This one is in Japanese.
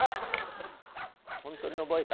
本当に覚えた？